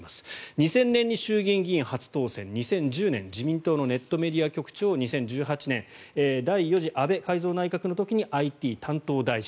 ２０００年に衆議院議員初当選２０１０年自民党のネットメディア局長２０１８年第４次安倍改造内閣の時にＩＴ担当大臣。